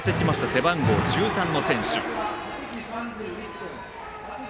背番号１３の選手。